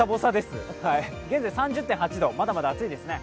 現在、３０．８度、まだまだ暑いですね。